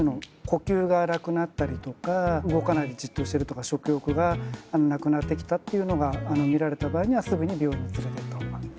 呼吸が荒くなったりとか動かないでじっとしてるとか食欲がなくなってきたっていうのが見られた場合にはすぐに病院に連れてった方がいいと思います。